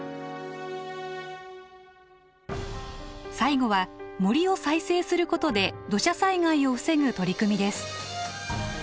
最後は森を再生することで土砂災害を防ぐ取り組みです。